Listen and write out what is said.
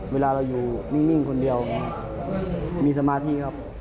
เวลาเราอยู่นิ่งคนเดียวมีสมาธิครับ